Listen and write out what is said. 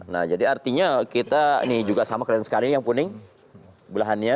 nah jadi artinya kita ini juga sama keren sekali yang kuning belahannya